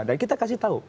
dan kita kasih tahu